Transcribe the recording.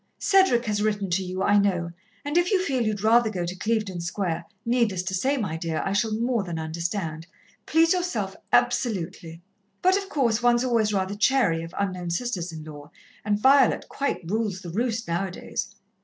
"Cedric has written to you, I know, and if you feel you'd rather go to Clevedon Square, needless to say, my dear, I shall more than understand. Please yourself absolutely. "But, of course, one's always rather chary of unknown sisters in law, and Violet quite rules the roost now a days.